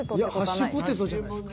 ハッシュポテトじゃないですか？